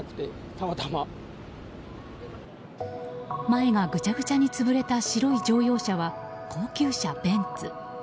前がぐちゃぐちゃに潰れた白い乗用車は高級車、ベンツ。